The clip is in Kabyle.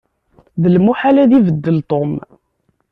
D lmuḥal ad ibeddel Tom.